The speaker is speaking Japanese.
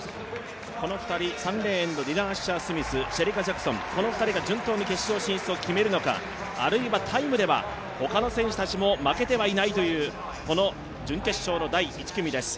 この２人、３レーンのディナ・アッシャー・スミスシェリカ・ジャクソンの２人が順当に決勝進出を決めるのか、あるいはタイムでは、他の選手たちも負けてはいないという、この準決勝の第１組です。